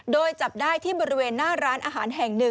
โดยจับได้ที่บริเวณหน้าร้านอาหารแห่ง๑